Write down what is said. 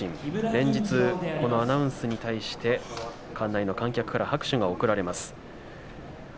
連日アナウンスに対して、館内の観客から拍手が送られます。